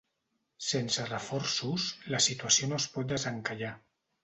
Sense reforços, la situació no es pot desencallar.